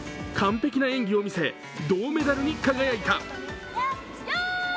完璧な演技を見せ、銅メダルに輝いた。